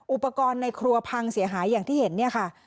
อุปกรณ์ในครัวพังเสียหายอย่างที่เห็นเนี่ยค่ะ